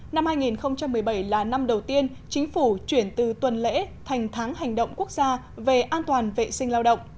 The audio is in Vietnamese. năm hai nghìn một mươi bảy là năm đầu tiên chính phủ chuyển từ tuần lễ thành tháng hành động quốc gia về an toàn vệ sinh lao động